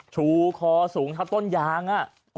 ชูคอสูงทับต้นยาง